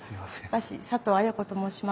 私佐藤綾子と申します。